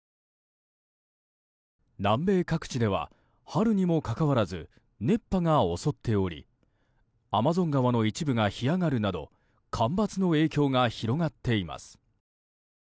南米各地では春にもかかわらず熱波が襲っておりアマゾン川の一部が干上がるなど干ばつの影響が広がっています。